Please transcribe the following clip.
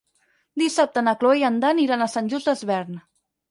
Dissabte na Cloè i en Dan iran a Sant Just Desvern.